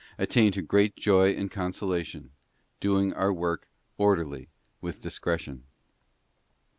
attain to great joy and consolation, doing our work orderly with discretion.